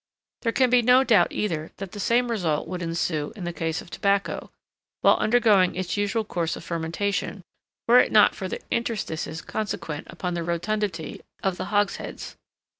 There can be no doubt either that the same result would ensue in the case of tobacco, while undergoing its usual course of fermentation, were it not for the interstices consequent upon the rotundity of the hogsheads.